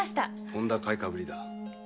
とんだ買いかぶりだ。